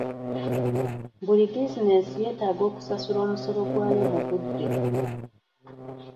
Buli bizinensi yeetaaga okusasula omusolo gwayo mu budde.